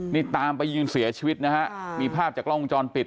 นี่ตามไปยิงเสียชีวิตนะฮะมีภาพจากกล้องวงจรปิด